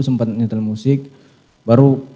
sempat nyetel musik baru